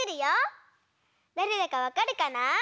だれだかわかるかな？